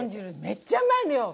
めっちゃうまいのよ！